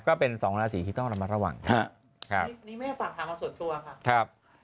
ก็เป็นสองราศีที่ต้องระมัดระวังครับอันนี้แม่ฝากถามเราส่วนตัวค่ะครับ